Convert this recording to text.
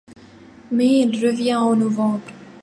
Mais il revient en novembre.